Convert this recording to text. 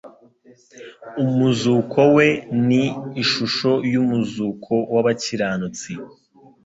Umuzuko we ni ishusho y'umuzuko w'abakiranutsi. «